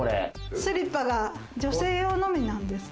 スリッパが女性用のみなんですね。